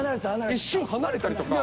一瞬離れたりとか。